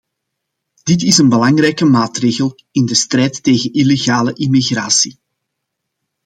Dit is een belangrijke maatregel in de strijd tegen illegale immigratie.